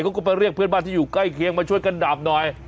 เขาก็ไปเรียกเพื่อนบ้านที่อยู่ใกล้เคียงมาช่วยกันดับหน่อย